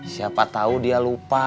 siapa tahu dia lupa